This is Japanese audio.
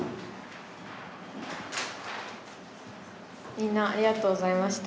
みんなありがとうございました。